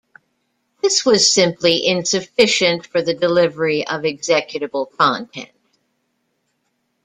This was simply insufficient for the delivery of executable content.